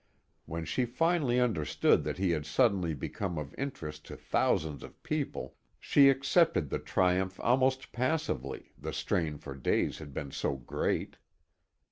When she finally understood that he had suddenly become of interest to thousands of people, she accepted the triumph almost passively, the strain for days had been so great.